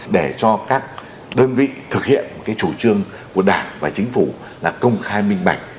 để cho các đơn vị thực hiện chủ trương của đảng và chính phủ là công khai minh mạch